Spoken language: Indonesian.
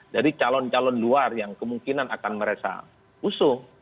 dari calon calon luar yang kemungkinan akan merasa usung